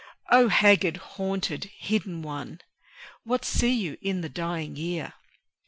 O haggard, haunted, hidden One What see you in the dying year?